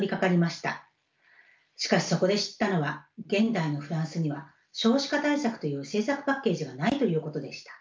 しかしそこで知ったのは現代のフランスには少子化対策という政策パッケージがないということでした。